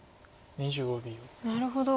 なるほど。